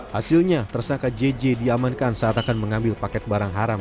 hasilnya tersangka jj diamankan saat akan mengambil paket barang haram